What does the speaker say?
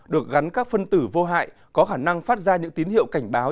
được gắn các phân tử vô hại có khả năng phát ra những tín hiệu cảnh báo